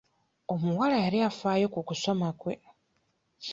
Omuwala yali afaayo ku kusoma kwe.